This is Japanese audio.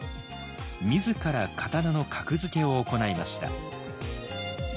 自ら刀の格付けを行いました。